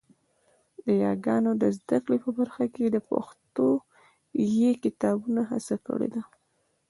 د یاګانو د زده کړې په برخه کې د پښويې کتابونو هڅه کړې ده